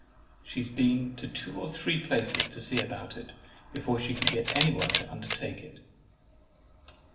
She has been to two or three places to see about it, before she could get anyone to undertake it."